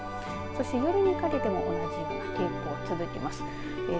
そして夜にかけても同じような傾向が続きます。